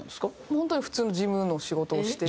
本当に普通の事務の仕事をしてて。